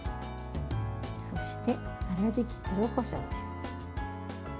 そして、粗びき黒こしょうです。